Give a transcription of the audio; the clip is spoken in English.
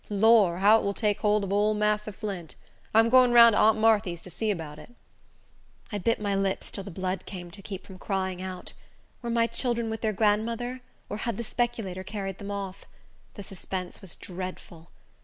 Lor! how it will take hold of ole massa Flint! I'm going roun' to aunt Marthy's to see 'bout it." I bit my lips till the blood came to keep from crying out. Were my children with their grandmother, or had the speculator carried them off? The suspense was dreadful.